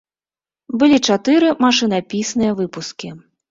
Былі чатыры машынапісныя выпускі.